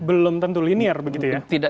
belum tentu linear begitu ya